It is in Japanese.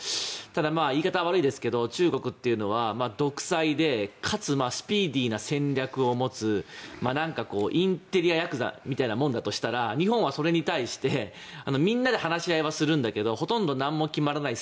ただ、言い方悪いですけど中国というのは独裁でかつスピーディーな戦略を持つインテリヤクザみたいなものだとしたら日本はそれに対してみんなで話し合いはするんだけどほとんどなんも決まらない。